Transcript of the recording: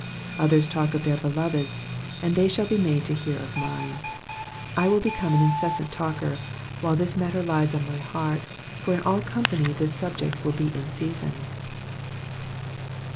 Others talk of their beloveds, and they shall be made to hear of mine. I will become an incessant talker, while this matter lies on my heart, for in ail company this subject will be in season.